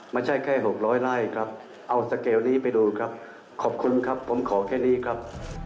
ไม่ใช่แค่๖๐๐ไร่ครับเอาสเกลนี้ไปดูครับขอบคุณครับผมขอแค่นี้ครับ